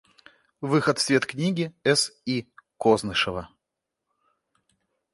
Выход в свет книги С. И. Кознышева.